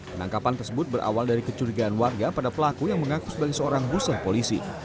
penangkapan tersebut berawal dari kecurigaan warga pada pelaku yang mengaku sebagai seorang busa polisi